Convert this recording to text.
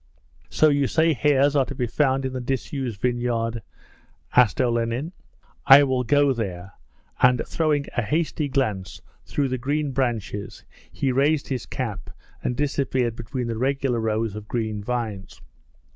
'So you say hares are to be found in the disused vineyard?' asked Olenin. 'I will go there,' and throwing a hasty glance through the green branches he raised his cap and disappeared between the regular rows of green vines.